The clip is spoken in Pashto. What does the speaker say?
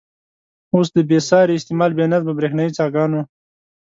اوس د بې ساري استعمال، بې نظمه برېښنايي څاګانو.